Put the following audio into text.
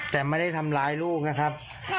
แต่ไม่ได้ทำร้ายลูกนะครับ